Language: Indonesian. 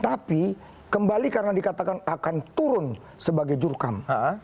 tapi kembali karena dikatakan akan turun sebagai jurkam